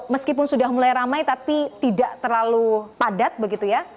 meskipun sudah mulai ramai tapi tidak terlalu padat begitu ya